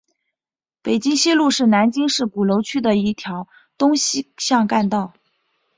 北京西路是南京市鼓楼区的一条东西向干道。